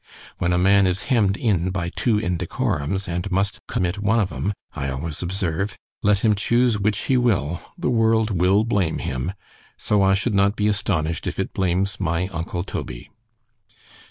When a man is hemm'd in by two indecorums, and must commit one of 'em—I always observe—let him chuse which he will, the world will blame him—so I should not be astonished if it blames my uncle _Toby.